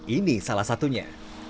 ini salah satunya